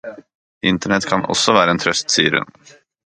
Internett kan også være en trøst, sier hun.